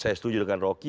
saya setuju dengan rocky